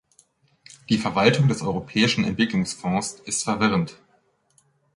Die Verwaltung des Europäischen Entwicklungsfonds ist verwirrend.